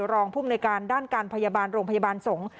รองภูมิในการด้านการพยาบาลโรงพยาบาลสงฆ์